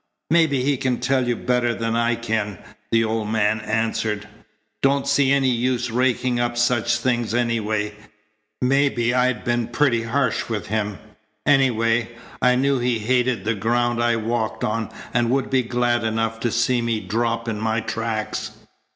"Maybe he can tell you better than I can," the old man answered. "Don't see any use raking up such things, anyway. Maybe I'd been pretty harsh with him. Anyway, I knew he hated the ground I walked on and would be glad enough to see me drop in my tracks."